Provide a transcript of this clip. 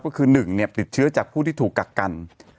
ก็คือ๑ติดเชื้อจากผู้ที่ถูกกักกัน